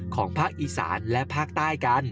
ของภาคอีสานและภาคใต้กัน